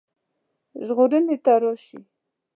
ژغورني ته راشي.